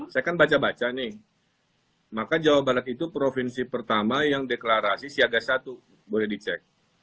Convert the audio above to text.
saya kan baca baca nih maka jawa barat itu provinsi pertama yang deklarasi siaga satu boleh dicek